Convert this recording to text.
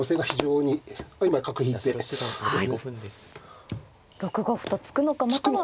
６五歩と突くのかまたは６三銀と。